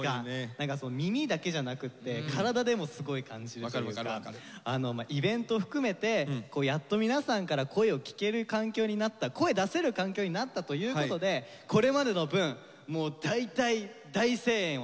何か耳だけじゃなくて体でもすごい感じるというかイベント含めてやっと皆さんから声を聞ける環境になった声出せる環境になったということでこれまでの分もう大大大声援をね